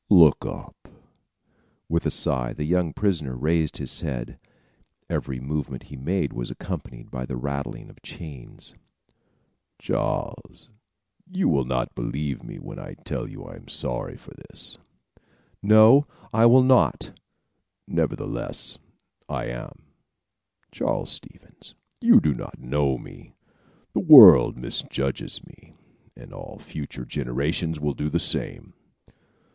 "Look up." With a sigh, the young prisoner raised his head. Every movement he made was accompanied by the rattling of chains. "Charles, you will not believe me, when I tell you I am sorry for this." "No; I will not." "Nevertheless, I am. Charles Stevens, you do not know me; the world misjudges me, and all future generations will do the same.